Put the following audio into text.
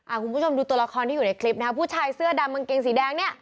คุณผู้ชมดูตัวละครที่อยู่ในคลิปนะฮะผู้ชายเสื้อดำกางเกงสีแดงเนี่ย